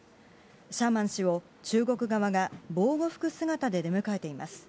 シャーマン氏を中国側が防護服姿で出迎えています。